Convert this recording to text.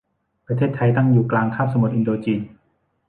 ประเทศไทยตั้งอยู่กลางคาบสมุทรอินโดจีน